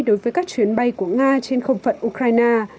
đối với các chuyến bay của nga trên không phận ukraine